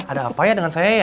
ada apa ya dengan saya ya